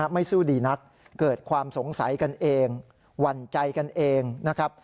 ไม่สู้ดีนักเกิดความสงสัยกันเองหวั่นใจกันเองนะครับ